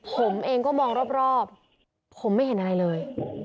ผมเองก็มองรอบผมไม่เห็นอะไรเลย